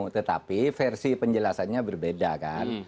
tetapi versi penjelasannya berbeda kan